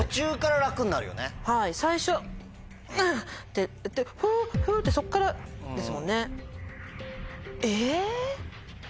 はい最初んん！ってふふってそっからですもんね。